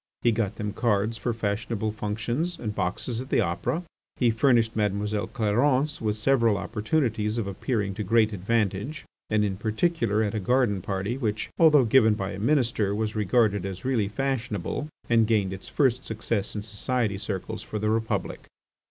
He got them cards for fashionable functions and boxes at the Opera. He furnished Mademoiselle Clarence with several opportunities of appearing to great advantage and in particular at a garden party which, although given by a Minister, was regarded as really fashionable, and gained its first success in society circles for the Republic.